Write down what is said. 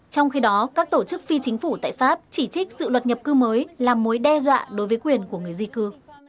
trong khi đó các tổ chức phi chính phủ tại pháp chỉ trích sự luật nhập cư mới là mối đe dọa đối với quyền của người di cư